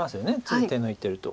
次手抜いてると。